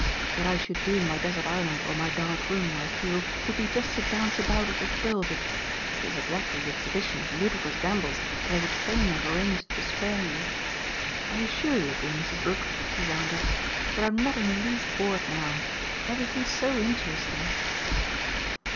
What I should do in my desert island or my dark room, I feel, would be just to dance about with the thrill of it which is exactly the exhibition of ludicrous gambols that I would fain have arranged to spare you. I assure you, dear Mrs. Brook," he wound up, "that I'm not in the least bored now. Everything's so interesting."